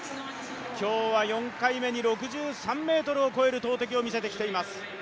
今日は４回目に６３ｍを越える投てきを見せてきています。